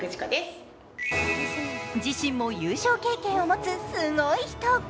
自身も優勝経験を持つすごい人！